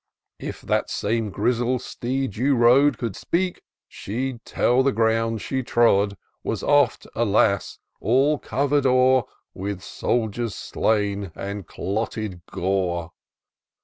If that same Grizzle steed you rode Could speak, she'd tell the ground she trod Was oft, alas ! all cover'd o'er With soldiers slain and clotted gore.